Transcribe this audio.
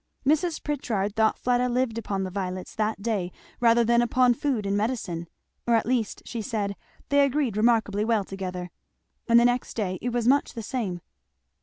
Mrs. Pritchard thought Fleda lived upon the violets that day rather than upon food and medicine; or at least, she said, they agreed remarkably well together. And the next day it was much the same.